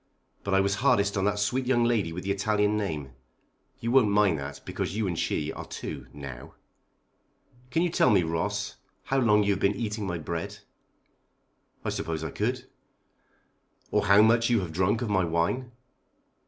But I was hardest on that sweet young lady with the Italian name. You won't mind that because you and she are two, now." "Can you tell me, Ross, how long you have been eating my bread?" "I suppose I could." "Or how much you have drank of my wine?"